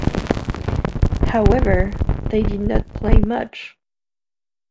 However, they did not play much.